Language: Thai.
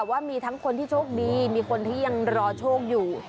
ว่ามีทั้งคนที่โชคดีมีคนที่ยังรอโชคอยู่